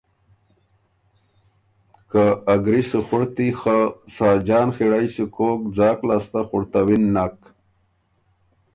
که ا ګری سُو خُړتی خه ساجان خِړئ سُو کوک ځاک لاسته خُړتَوِن نک،